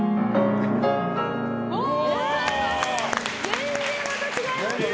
全然また違いますね。